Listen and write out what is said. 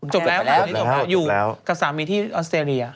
อยู่กับสามีที่ออสเตรเลีย